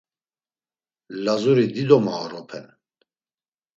Lazuri dido maoropen.